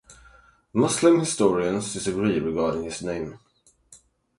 Muslim historians disagree regarding his name.